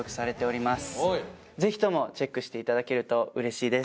ぜひともチェックしていただけるとうれしいです。